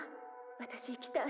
私いきたい。